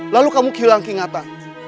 lalu kamu kehilang ingatan